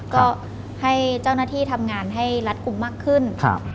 ก็ให้เจ้าหน้าที่ทำงานให้รัดกลุ่มมากขึ้น